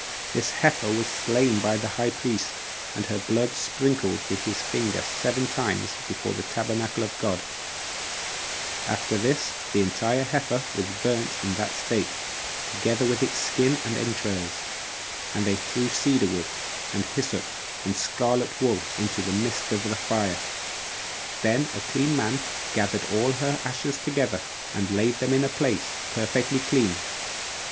This heifer was slain by the high priest, and her blood sprinkled with his finger seven times before the tabernacle of God; after this, the entire heifer was burnt in that state, together with its skin and entrails; and they threw cedar wood, and hyssop, and scarlet wool, into the midst of the fire; then a clean man gathered all her ashes together, and laid them in a place perfectly clean.